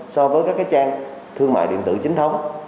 so với các trang thương mại điện tử chính thống